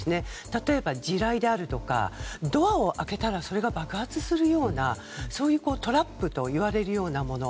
例えば、地雷だとかドアを開けたら爆発するようなトラップといわれるようなもの。